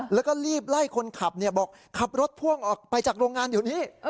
แล้วก็รีบไล่คนขับบอกขับรถพ่วงออกไปจากโรงงานเดี๋ยวนี้